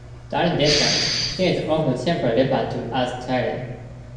During this time, he is often simply referred to as Tyler.